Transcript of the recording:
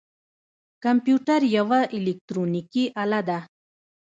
کمپیوټر یوه الکترونیکی آله ده